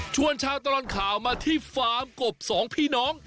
ชาวตลอดข่าวมาที่ฟาร์มกบสองพี่น้อง